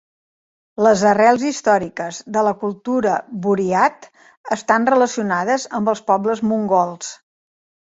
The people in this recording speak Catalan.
Les arrels històriques de la cultura buryat estan relacionades amb els pobles mongols.